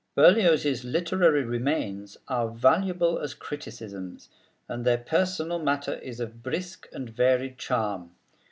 Berlioz's literary remains are valuable as criticisms, and their personal matter is of brisk and varied charm.